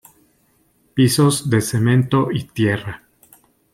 Pisos de cemento y tierra.